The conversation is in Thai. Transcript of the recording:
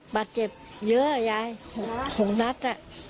บาดเจ็บเยอะยาย๖นัด